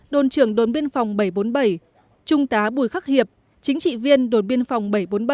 đồn trưởng đồn biên phòng bảy trăm bốn mươi bảy trung tá bùi khắc hiệp chính trị viên đồn biên phòng bảy trăm bốn mươi bảy